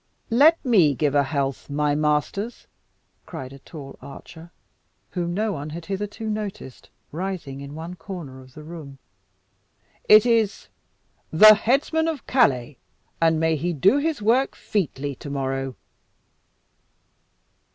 "Let me give a health, my masters!" cried a tall archer, whom no one had hitherto noticed, rising in one corner of the room. "It is The headsman of Calais, and may he do his work featly tomorrow!"